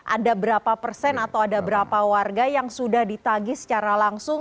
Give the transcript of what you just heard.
ada berapa persen atau ada berapa warga yang sudah ditagi secara langsung